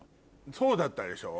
そうだったでしょ？